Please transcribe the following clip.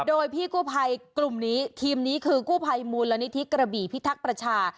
โดยพี่กู้ภัยกลุ่มนี้ทีมนี้คือกู้ภัยมูลนิธิกระบี่พิทักษ์ประชา